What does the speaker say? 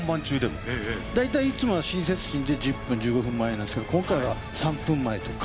大体いつもは親切心で１０分、１５分前なんですけど、今回は３分前とか。